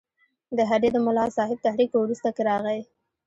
د هډې د ملاصاحب تحریک په وروسته کې راغی.